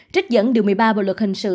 trích dẫn điều một mươi ba bộ luật hình sự